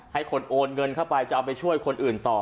ให้คนโอนเงินเข้าไปจะเอาไปช่วยคนอื่นต่อ